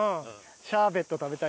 シャーベット食べたい。